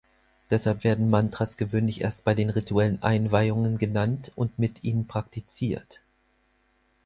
Deshalb werden Mantras gewöhnlich erst bei den rituellen Einweihungen genannt und mit ihnen praktiziert.